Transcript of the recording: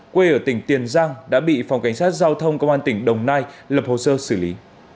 quê ở tỉnh tiền giang đã bị phòng cảnh sát giao thông công an tỉnh đồng nai lập hồ sơ xử lý